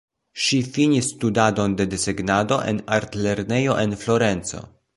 Ŝi finis studadon de desegnado en artlernejo en Florenco.